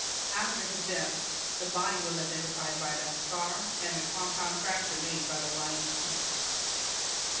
After his death, the body was identified by that scar and the compound fracture made by the lion's teeth.